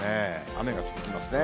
雨が続きますね。